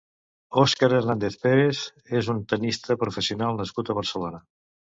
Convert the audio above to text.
Óscar Hernández Pérez és un tennista professional nascut a Barcelona.